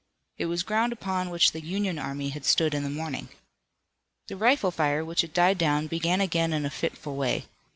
It was ground upon which the Union army had stood in the morning. The rifle fire, which had died down, began again in a fitful way.